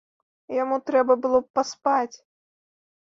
Яму трэба было б паспаць.